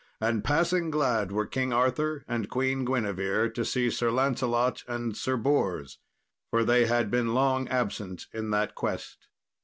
And passing glad were King Arthur and Queen Guinevere to see Sir Lancelot and Sir Bors, for they had been long absent in that quest.